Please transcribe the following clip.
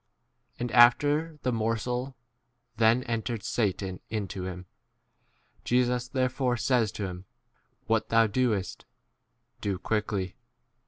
And, after the morsel, then entered Satan into him. n Jesus therefore says to him, What 2 s thou doest, do quickly.